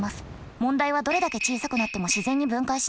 問題はどれだけ小さくなっても自然に分解しないこと。